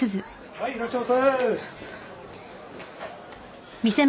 はいいらっしゃいませ。